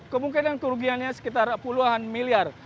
kemungkinan kerugiannya sekitar puluhan miliar